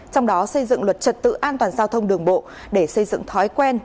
trong đó xây dựng luật trật tự an toàn giao thông đường bộ để xây dựng thói quen